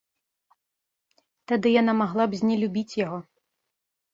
Тады яна магла б знелюбіць яго.